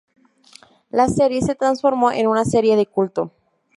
La serie se transformó en una serie de culto.